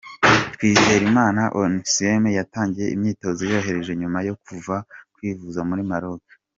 Twizerimana Onesme yatangiye imyitozo yoroheje nyuma yo kuva kwivuza muri Maroc.